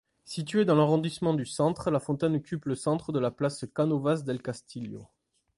Située dans l'arrondissement du Centre, la fontaine occupe le centre de la place Cánovas-del-Castillo.